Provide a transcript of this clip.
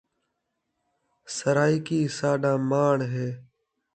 سَرائِیکی سَاڈا ماݨ ہے